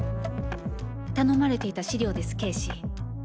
頼まれていた資料です、警視。